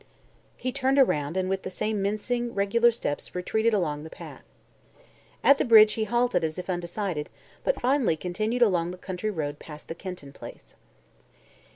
He turned around and with the same mincing, regular steps retreated along the path. At the bridge he halted as if undecided, but finally continued along the country road past the Kenton Place.